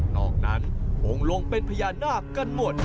นอกนั้นองค์ลงเป็นพระยาหน้ากันหมด